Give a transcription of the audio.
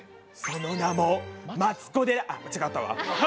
その名もマツコデあっ違ったわ。